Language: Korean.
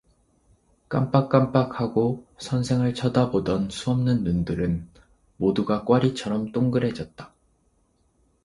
깜박깜박하고 선생을 쳐다보던 수없는 눈들은 모두가 꽈리처럼 똥그래졌다.